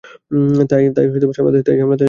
তাই সামলাতে যাচ্ছি।